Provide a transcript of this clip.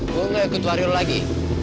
gue gak ikut wario lagi